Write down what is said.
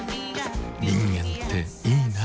人間っていいナ。